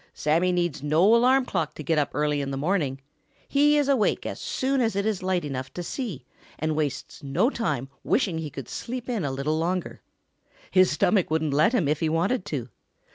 Sammy needs no alarm clock to get up early in the morning. He is awake as soon as it is light enough to see and wastes no time wishing he could sleep a little longer. His stomach wouldn't let him if he wanted to.